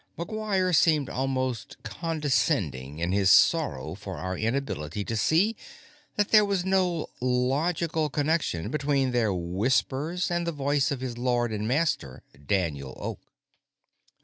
McGuire seemed almost condescending in his sorrow for our inability to see that there was no logical connection between their whispers and the voice of his Lord and Master, Daniel Oak.